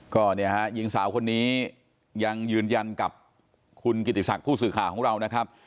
ก็เนี่ยฮะหญิงสาวคนนี้ยังยืนยันกับคุณกิติศักดิ์ผู้สื่อข่าวของเรานะครับ